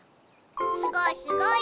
すごいすごい！